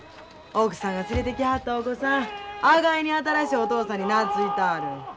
奥さんが連れてきはったお子さんあがいに新しいお父さんになついたある。